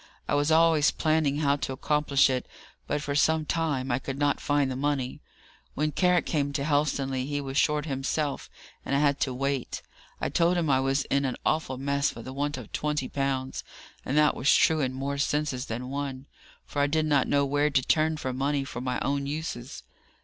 I was always planning how to accomplish it; but for some time I could not find the money. When Carrick came to Helstonleigh he was short himself, and I had to wait. I told him I was in an awful mess for the want of twenty pounds. And that was true in more senses than one, for I did not know where to turn to for money for my own uses.